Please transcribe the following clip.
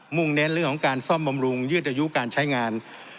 ่งเน้นเรื่องของการซ่อมบำรุงยืดอายุการใช้งาน